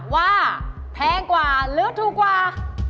แพงกว่าหรือถูกกว่า